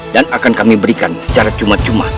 dan akan kami berikan secara cuma cuma